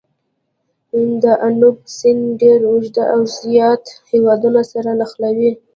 د دانوب سیند ډېر اوږد او زیات هېوادونه سره نښلوي.